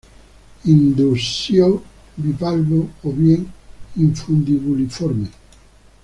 Indusio bivalvo o bien infundibuliforme.